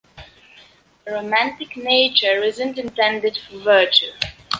The romantic nature isn’t intended for virtue.